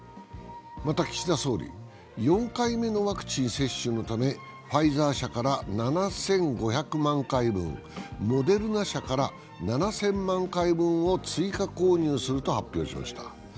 また岸田総理、４回目のワクチン接種のためファイザー社から７５００万回分モデルナ社から７０００万回分を追加購入すると発表しました。